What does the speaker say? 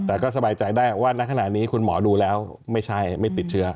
แต่ก็สบายใจได้ว่าณขณะนี้คุณหมอดูแล้วไม่ใช่ไม่ติดเชื้อ